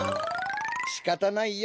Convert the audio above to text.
しかたないよ。